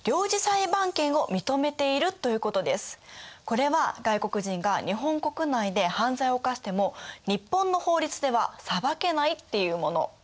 これは外国人が日本国内で犯罪を犯しても日本の法律では裁けないっていうもの。